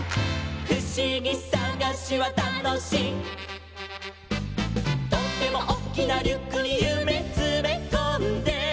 「ふしぎさがしはたのしい」「とってもおっきなリュックにゆめつめこんで」